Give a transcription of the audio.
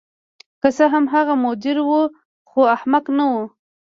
که څه هم هغه مدیر و خو احمق نه و